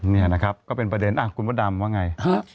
นี่นะครับก็เป็นประเด็นคุณพระดำว่าไง